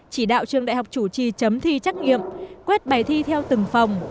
chỉ đạo trường đại học chủ trì chấm thi trắc nghiệm quét bài thi theo từng phòng